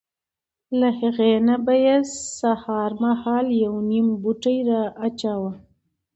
له هغې نه به یې سهار مهال یو نیم پوټی را اچاوه.